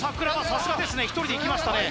さすがですね１人でいきましたね